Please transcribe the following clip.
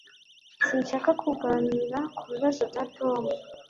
Sinshaka kuganira kubibazo bya Tom